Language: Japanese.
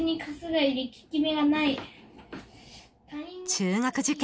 中学受験